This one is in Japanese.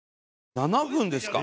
７分ですか？